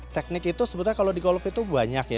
teknik itu sebenarnya kalau di golf itu banyak ya